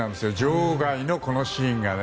場外のこのシーン。